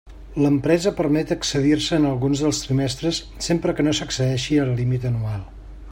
L'empresa permet excedir-se en alguns dels trimestres sempre que no s'excedeixi el límit anual.